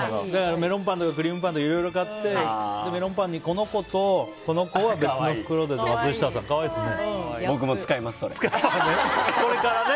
メロンパンとかクリームパンとかいろいろ買ってメロンパンに、この子とこの子は別の袋でとか、可愛いですね。